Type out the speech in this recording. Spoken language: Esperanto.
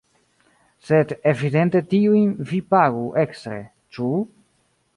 Sed evidente tiujn vi pagu ekstre, ĉu?